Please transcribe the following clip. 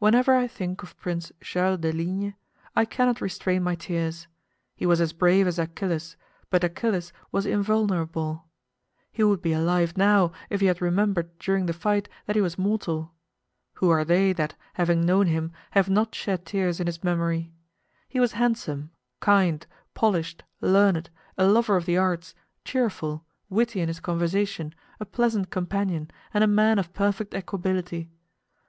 Whenever I think of Prince Charles de Ligne I cannot restrain my tears. He was as brave as Achilles, but Achilles was invulnerable. He would be alive now if he had remembered during the fight that he was mortal. Who are they that, having known him, have not shed tears in his memory? He was handsome, kind, polished, learned, a lover of the arts, cheerful, witty in his conversation, a pleasant companion, and a man of perfect equability.